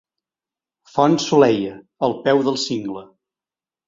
Font Soleia, al peu del cingle.